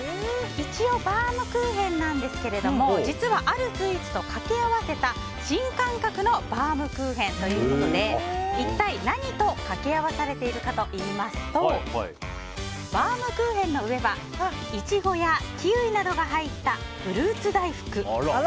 一応バウムクーヘンなんですが実はあるスイーツと掛け合わせた新感覚のバウムクーヘンということで一体何と掛け合わされているかといいますとバウムクーヘンの上はイチゴやキウイなどが入ったフルーツ大福。